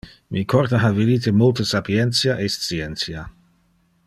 Mi corde ha vidite multe sapientia e scientia.